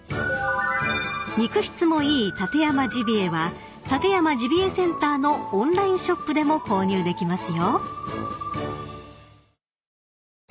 ［肉質もいい館山ジビエは館山ジビエセンターのオンラインショップでも購入できますよ］